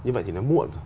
như vậy thì nó muộn rồi